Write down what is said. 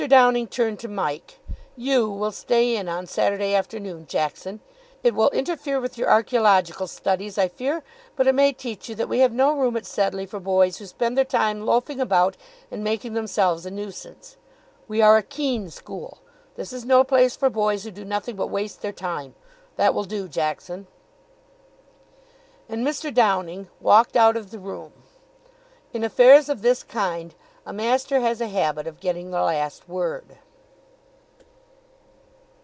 Downing turned to Mike. "You will stay in on Saturday afternoon, Jackson; it will interfere with your Archaeological studies, I fear, but it may teach you that we have no room at Sedleigh for boys who spend their time loafing about and making themselves a nuisance. We are a keen school; this is no place for boys who do nothing but waste their time. That will do, Jackson." And Mr. Downing walked out of the room. In affairs of this kind a master has a habit of getting the last word.